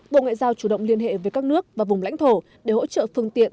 bộ ngoại giao chủ động liên hệ với các nước và vùng lãnh thổ để hỗ trợ phương tiện